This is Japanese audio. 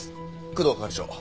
工藤係長。